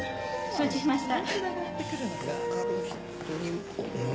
承知しました。